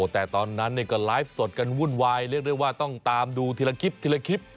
แต่ตอนนั้นก็ไลฟ์สดกันวุ่นวายเรียกได้ว่าต้องตามดูทีละคลิปทีละคลิป